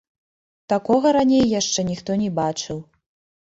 Такога раней яшчэ ніхто не бачыў.